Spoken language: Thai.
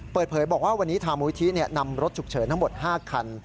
เปิดเผยบอกว่าวันนี้ทางมูลิธินำรถฉุกเฉินทั้งหมด๕คัน